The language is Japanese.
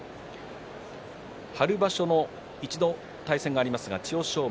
春場所、一度対戦がありますが千代翔